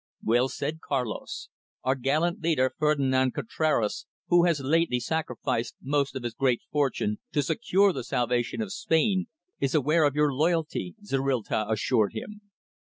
"Well said, Carlos! Our gallant leader, Ferdinand Contraras, who has lately sacrificed most of his great fortune to secure the salvation of Spain, is aware of your loyalty," Zorrilta assured him.